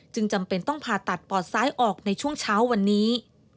จำเป็นต้องผ่าตัดปอดซ้ายออกในช่วงเช้าวันนี้